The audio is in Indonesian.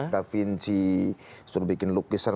udah vinci suruh bikin lukisan